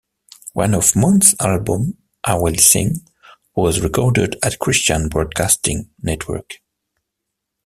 One of Moen's albums, "I Will Sing", was recorded at Christian Broadcasting Network.